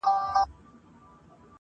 د بچیو له ماتمه ژړېدله -